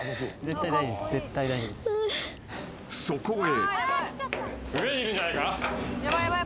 ［そこへ］